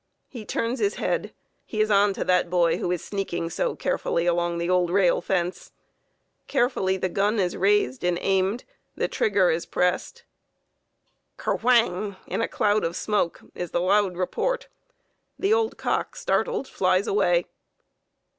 He turns his head! He is onto that boy who is sneaking so carefully along the old rail fence. Carefully the gun is raised and aimed; the trigger is pressed. "Ker whang" in a cloud of smoke is the loud report. The old cock, startled, flies away.